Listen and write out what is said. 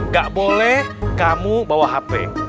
gak boleh kamu bawa hp